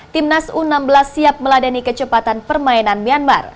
timnas u enam belas siap meladani kecepatan permainan myanmar